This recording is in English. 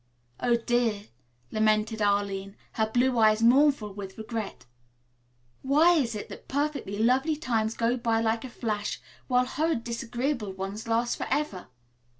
"Oh, dear," lamented Arline, her blue eyes mournful with regret, "why is it that perfectly lovely times go by like a flash, while horrid, disagreeable ones last forever?"